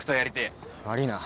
悪いな。